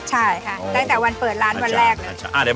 ใช่ค่ะได้แต่วันเปิดร้านวันแรก